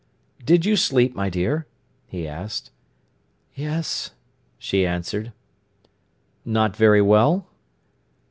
"Did you sleep, my dear?" he asked. "Yes," she answered. "Not very well?"